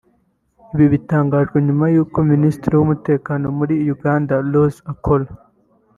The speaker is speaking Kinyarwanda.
Ibi bitangajwe nyuma y’uko Minisitiri w’Umutekano muri Uganda Rose Akol